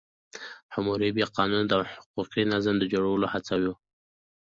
حموربي قانون د حقوقي نظام د جوړولو هڅه وه.